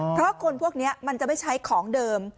เพราะคนพวกนี้มันจะไม่ใช้ของเดิม